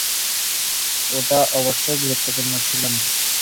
ওটা অবশ্য গুরুত্বপূর্ণ ছিল না।